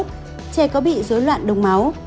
trẻ có bị dối loạn đồng máu